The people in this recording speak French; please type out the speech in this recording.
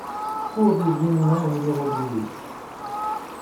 Cours du Vieux Moulin au numéro douze